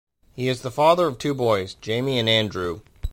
He is the father of two boys, Jamie and Andrew.